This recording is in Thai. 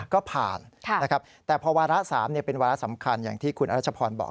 ก็ผ่านนะครับแต่พอวาระ๓เป็นวาระสำคัญอย่างที่คุณรัชพรบอก